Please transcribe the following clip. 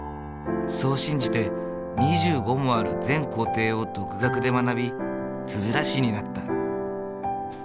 そう信じて２５もある全工程を独学で学びつづら師になった。